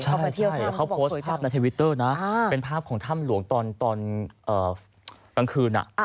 ใช่แล้วเขาโพสต์ภาพในทวิตเตอร์นะเป็นภาพของถ้ำหลวงตอนกลางคืน